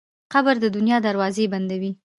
قبر د دنیا دروازې بندوي.